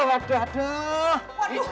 aduh aduh aduh